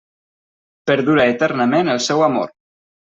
Perdura eternament el seu amor.